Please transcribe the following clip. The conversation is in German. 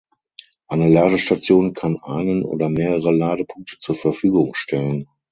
Eine Ladestation kann einen oder mehrere Ladepunkte zur Verfügung stellen.